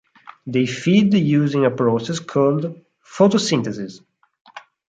They feed using a process called photosynthesis.